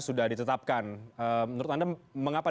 sudah ditetapkan menurut anda mengapa